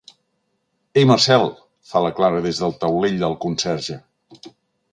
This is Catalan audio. Ei, Marcel! —fa la Clara des del taulell del conserge.